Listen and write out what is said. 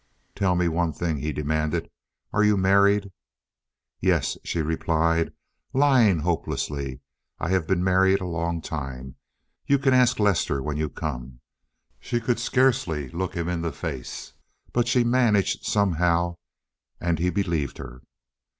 "Tell me one thing," he demanded. "Are you married?" "Yes," she replied, lying hopelessly. "I have been married a long time. You can ask Lester when you come." She could scarcely look him in the face, but she managed somehow, and he believed her.